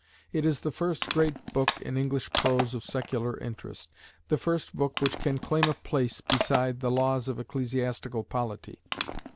It is the first great book in English prose of secular interest; the first book which can claim a place beside the Laws of Ecclesiastical Polity.